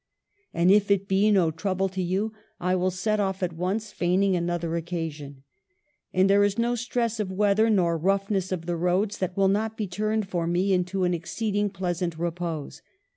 And if it be no trouble to you, I will set off at once, feigning another occasion. And there is no stress of weather nor roughness of the roads that will not be turned for me into an exceeding pleasant repose.